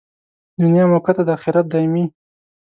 دنیا موقته ده، اخرت دایمي.